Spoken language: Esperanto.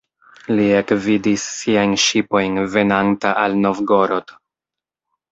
Li ekvidis siajn ŝipojn venanta al Novgorod.